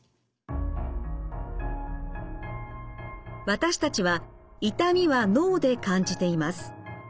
私たちは痛みは脳で感じています。